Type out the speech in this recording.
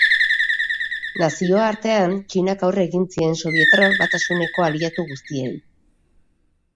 Nazioartean, Txinak aurre egin zien Sobietar Batasuneko aliatu guztiei.